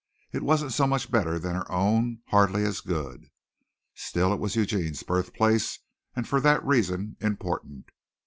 It wasn't so much better than her own hardly as good. Still it was Eugene's birthplace and for that reason important.